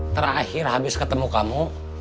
terakhir habis ketemu kamu